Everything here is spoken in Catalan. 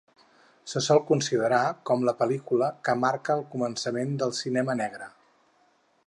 Se sol considerar com la pel·lícula que marca el començament del cinema negre.